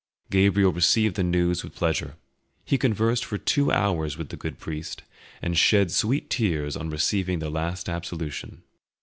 Gabriel received the news with pleasure; he conversed for two hours with the good priest, and shed sweet tears on receiving the last absolution.